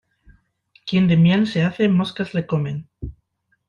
Quien de miel se hace, moscas le comen.